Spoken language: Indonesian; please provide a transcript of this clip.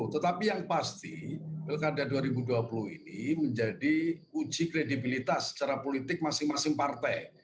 tetapi yang pasti pilkada dua ribu dua puluh ini menjadi uji kredibilitas secara politik masing masing partai